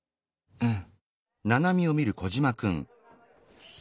うん？